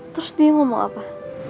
terus dia ngomong apa